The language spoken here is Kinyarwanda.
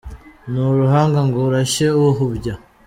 Nturuhanga ngo urashye uhumbya